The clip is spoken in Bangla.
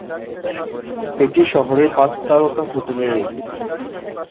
এটি শহরের পাঁচ তারকা হোটেলের একটি।